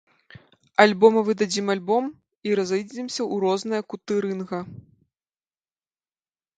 Альбо мы выдадзім альбом і разыйдземся ў розныя куты рынга.